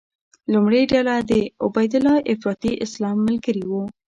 لومړۍ ډله د عبیدالله افراطي اسلام ملګري وو.